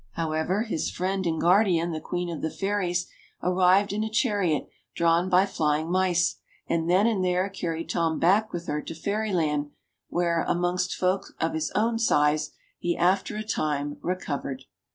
However, his friend and guardian, the Queen of the Fairies, arrived in a chariot drawn by flying mice, and then and there carried Tom back with her to Fairyland where, amongst folk of his own size, he, after a time, recovered.